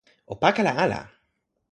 o pakala ala!